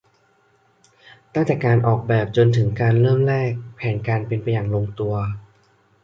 ตั้งแต่การออกแบบจนถึงการเริ่มแรก แผนการเป็นไปอย่างลงตัว